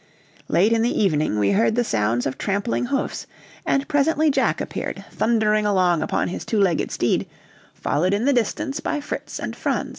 Late in the evening we heard the sounds of trampling hoofs, and presently Jack appeared, thundering along upon his two legged steed, followed in the distance by Fritz and Franz.